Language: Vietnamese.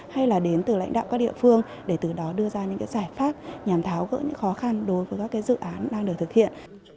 hay là đến từ lãnh đạo các địa phương để từ đó đưa ra những giải pháp nhằm tháo gỡ những khó khăn đối với các dự án đang được thực hiện